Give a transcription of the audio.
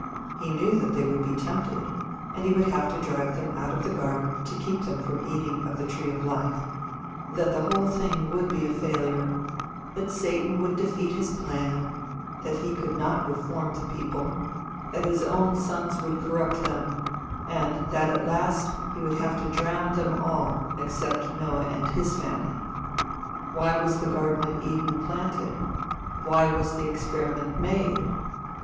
He knew that they would be tempted, that he would have to drive them out of the garden to keep them from eating of the tree of life; that the whole thing would be a failure; that Satan would defeat his plan; that he could not reform the people; that his own sons would corrupt them, and that at last he would have to drown them all except Noah and his family. Why was the garden of Eden planted? Why was the experiment made?